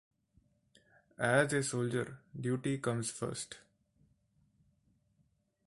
as a soldier duty comes first